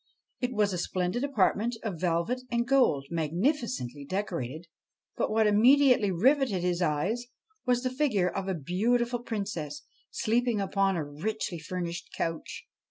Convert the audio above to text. It was a splendid apartment of velvet and gold, magnifi cently decorated ; but what immediately riveted his eyes was the figure of a beautiful princess sleeping upon a richly furnished couch.